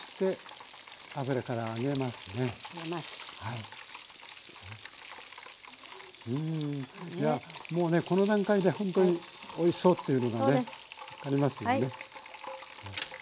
いやもうねこの段階でほんとにおいしそうというのがね分かりますよね。